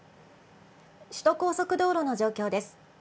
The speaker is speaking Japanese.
首都高速道路の状況です。